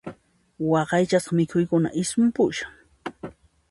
Waqaychasqa mikhuykuna ismupushan.